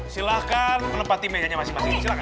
silahkan menempatin meja nya masing masing silahkan